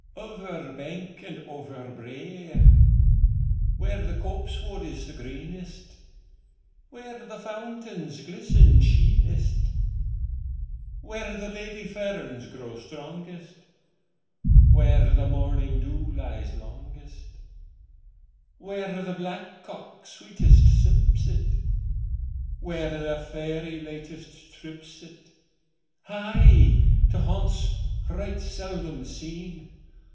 Over bank and over brae! Where the copsewood is the greenest. Where the fountains glisten sheenest. Where the lady fern grows strongest. Where the morning dew lies longest. Where the black cock sweetest sips it, Where the fairy latest trips it: Hie to haunts right seldom seen.